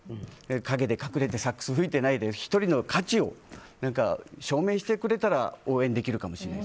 陰で隠れてサックス吹いてないで１人の価値を証明してくれたら応援できるかもしれない。